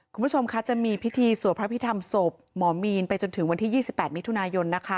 คุณผู้ชมคะจะมีพิธีสวดพระพิธรรมศพหมอมีนไปจนถึงวันที่๒๘มิถุนายนนะคะ